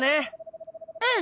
うん！